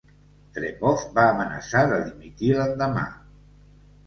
Trepov va amenaçar de dimitir l'endemà.